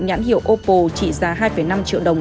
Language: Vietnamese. nhãn hiệu oppo trị giá hai năm triệu đồng